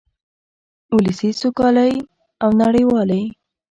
ولسي سوکالۍ او نړیوالې